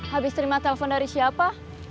habis terima telepon dari siapa